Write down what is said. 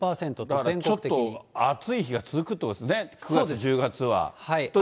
だからちょっと暑い日が続くってことですね、９月、１０月は。